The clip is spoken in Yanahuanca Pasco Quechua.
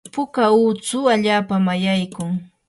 puka utsu allapami ayaykun.